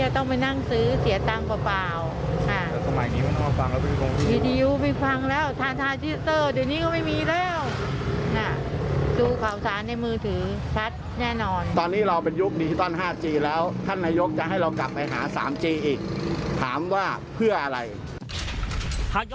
ถ่ายย้อนกลับไปดูหน่อย